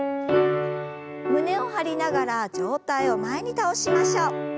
胸を張りながら上体を前に倒しましょう。